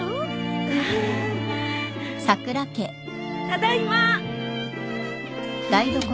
ただいま。